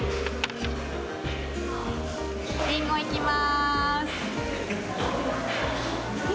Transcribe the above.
りんごいきまーす。